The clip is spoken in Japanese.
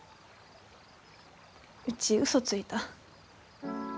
うちウソついた。